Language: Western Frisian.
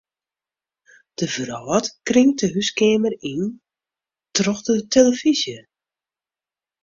De wrâld kringt de húskeamer yn troch de telefyzje.